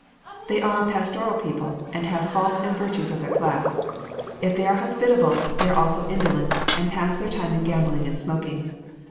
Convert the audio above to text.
They are a pastoral people, and have the faults and virtues of their class. If they are hospitable, they are also indolent, and pass their time in gambling and smoking.